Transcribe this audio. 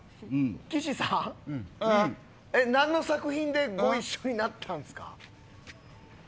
岸さん何の作品でご一緒になったんですか。